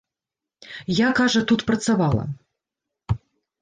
Я, кажа, тут працавала.